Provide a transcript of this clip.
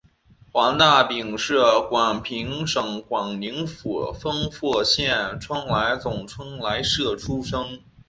黄大秉是广平省广宁府丰富县春来总春来社出生。